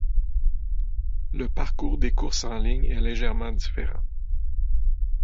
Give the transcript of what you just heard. Le parcours des courses-en-ligne est légèrement différent.